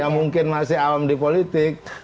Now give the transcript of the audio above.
yang mungkin masih awam di politik